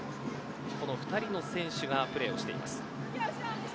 この２人の選手がプレーをしています。